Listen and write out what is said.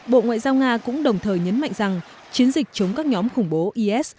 bộ ngoại giao nga cũng đồng thời nhấn mạnh rằng chiến dịch chống các nhóm khủng bố is